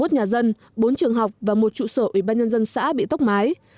hai mươi một nhà dân bốn trường học và một trụ sở ủy ban nhân dân xã bị tốc mái